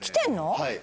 はい。